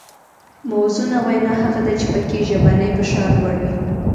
موزونه وینا هغه ده چې پکې ژبنی فشار لوړ وي